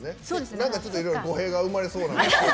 なんかいろいろ語弊が生まれそうな。